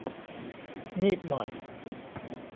งีบหน่อย